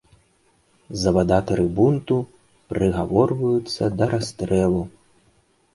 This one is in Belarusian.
Завадатары бунту прыгаворваюцца да расстрэлу.